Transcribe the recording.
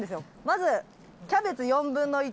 まずキャベツ４分の１。